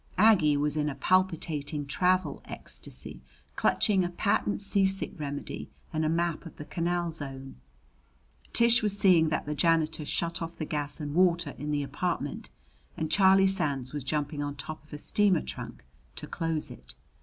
Aggie was in a palpitating travel ecstasy, clutching a patent seasick remedy and a map of the Canal Zone; Tish was seeing that the janitor shut off the gas and water in the apartment; and Charlie Sands was jumping on top of a steamer trunk to close it.